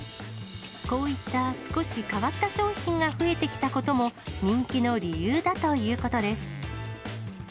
こういった少し変わった商品が増えてきたことも、人気の理由だということです。